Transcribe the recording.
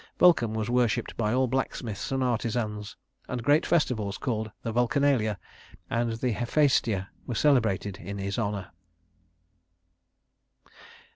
Vulcan was worshiped by all blacksmiths and artisans; and great festivals, called the Vulcanalia and the Hephæstia, were celebrated in his honor.